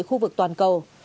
khu vực toàn cầu